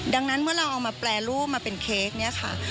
ดังนั้นเมื่อเราเอามาแปรรูปมาเป็นเค้กเนี่ยค่ะ